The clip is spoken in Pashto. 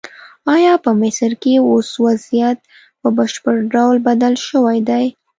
ایا په مصر کې اوس وضعیت په بشپړ ډول بدل شوی دی؟